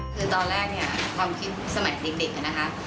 คือตอนแรกเนี่ยความคิดสมัยเด็กนะคะ